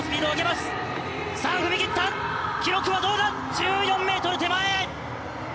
１４ｍ手前！